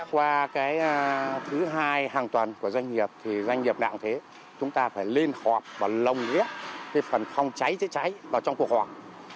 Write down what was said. qua thứ hai hàng tuần của doanh nghiệp doanh nghiệp đạng thế chúng ta phải lên họp và lồng lía phần phòng cháy cháy cháy vào trong cuộc họp